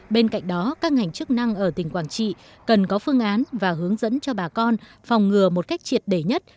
bên cạnh đó các ngành chức năng ở tỉnh quảng trị cần có phương án và hướng dẫn cho bà con phòng ngừa một cách triệt đề nhất